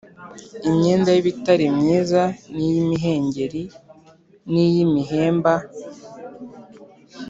imyenda y’ibitare myiza n’iy’imihengeri n’iy’imihemba,